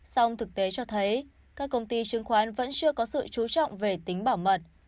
song thực tế cho thấy các công ty chứng khoán vẫn chưa có sự chú trọng về tính bảo mật